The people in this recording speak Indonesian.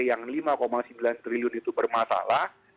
yang lima sembilan triliun itu bermasalah